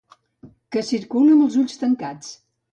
Que circula amb els ulls tancats.